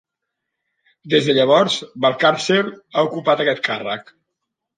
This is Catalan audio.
Des de llavors, Valcarcel ha ocupat aquest càrrec.